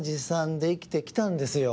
でいきてきたんですよ。